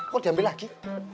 kok diambil lagi